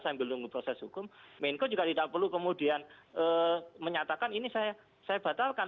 tidak perlu menunggu proses hukum menko juga tidak perlu kemudian menyatakan ini saya batalkan